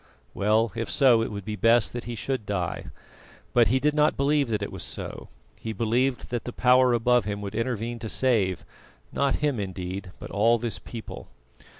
Well, if so, it would be best that he should die. But he did not believe that it was so; he believed that the Power above him would intervene to save not him, indeed, but all this people.